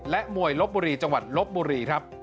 และมวยลบบุรีจังหวัดลบบุรีครับ